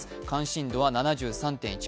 関心度は７３．１％。